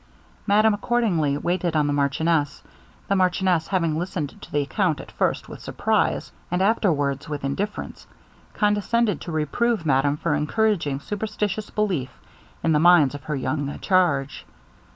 Madame accordingly waited on the marchioness. The marchioness having listened to the account at first with surprise, and afterwards with indifference, condescended to reprove madame for encouraging superstitious belief in the minds of her young charge.